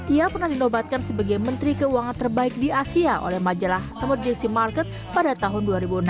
ia pernah dinobatkan sebagai menteri keuangan terbaik di asia oleh majalah emergency market pada tahun dua ribu enam